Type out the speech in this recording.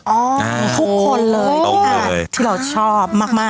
ทุกคนเลยที่เราชอบมาก